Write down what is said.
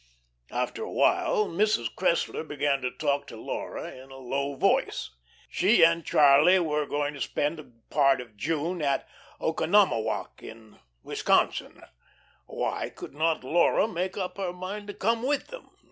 After a while Mrs. Cressler began to talk to Laura in a low voice. She and Charlie were going to spend a part of June at Oconomowoc, in Wisconsin. Why could not Laura make up her mind to come with them?